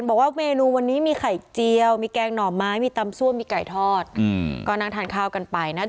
บอกว่าเมนูวันนี้มีไข่เจียวมีแกงหน่อไม้มีตำซ่วมมีไก่ทอดก็นั่งทานข้าวกันไปนะ